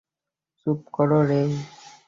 চুপ করো, রেই।